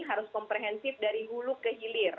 harus komprehensif dari hulu ke hilir